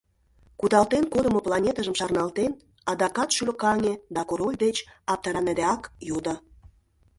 Кудалтен кодымо планетыжым шарналтен, адакат шӱлыкаҥе да король деч аптыраныдеак йодо: